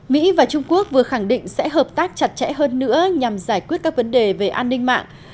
mỹ và trung quốc vừa khẳng định sẽ hợp tác chặt chẽ hơn nữa nhằm giải quyết các vấn đề về an ninh mạng